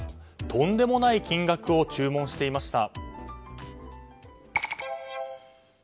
とんでもない金額を注文していました。